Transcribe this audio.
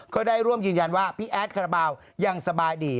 ก็ได้ร่วมยืนยันว่าพี่แอดคาราบาลยังสบายดี